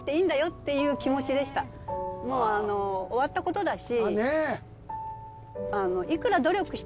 もう終わったことだし。